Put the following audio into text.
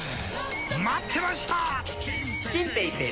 待ってました！